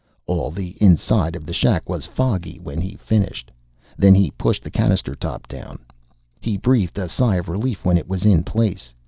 All the inside of the shack was foggy when he finished. Then he pushed the cannister top down. He breathed a sigh of relief when it was in place.